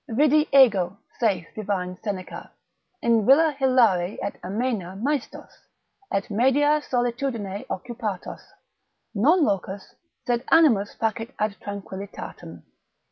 Vidi ego (saith divine Seneca) in villa hilari et amaena maestos, et media solitudine occupatos; non locus, sed animus facit ad tranquillitatem.